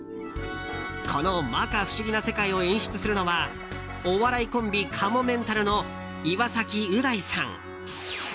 この摩訶不思議な世界を演出するのはお笑いコンビかもめんたるの岩崎う大さん。